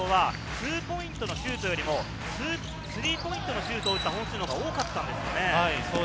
昨日の試合を見てみましても日本代表はツーポイントのシュートよりも、スリーポイントのシュートを打った本数のほうが多かったんですよね。